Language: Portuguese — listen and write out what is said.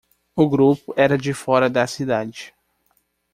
O grupo era de fora da cidade.